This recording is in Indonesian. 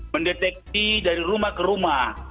mendeteksi dari rumah ke rumah